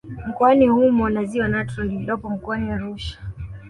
Mkoani humo na Ziwa Natron lililopo Mkoani Arusha